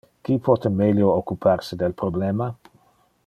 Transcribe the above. Qui pote melio occupar se del problema?